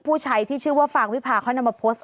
ผู้ใช้ที่ชื่อว่าฟางวิพาเขานำมาโพสต์